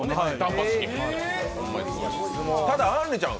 ただ、あんりちゃん